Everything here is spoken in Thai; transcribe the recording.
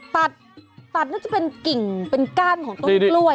ตัดตัดน่าจะเป็นกิ่งเป็นก้านของต้นกล้วย